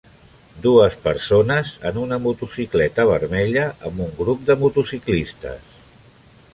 Dues persones en una motocicleta vermella amb un grup de motociclistes.